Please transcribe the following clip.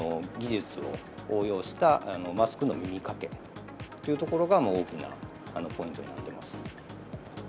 技術を応用したマスクの耳掛けっていうところが大きなポイントになってます。